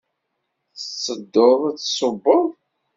Tettedduḍ ad d-tṣubbeḍ?